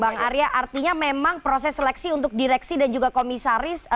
bang arya artinya memang proses seleksi untuk direksi dan juga komisaris